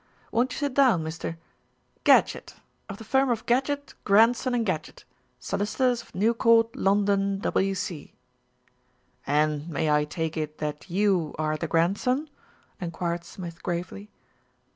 Won't you sit down, Mr. " "Gadgett, of the firm of Gadgett, Grandson and Gadgett, solicitors of New Court, London, W.C." "And may I take it that you are the grandson?" enquired Smith gravely.